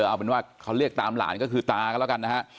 เอาเป็นว่าเขาเรียกตามหลานก็คือตากันแล้วกันนะฮะ